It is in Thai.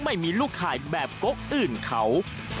ไม่มีลูกข่ายแบบกกอื่นเขา